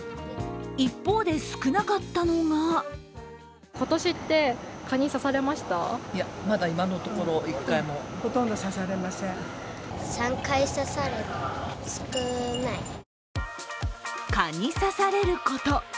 一方で少なかったのが蚊に刺されること。